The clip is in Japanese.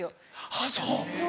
あっそう。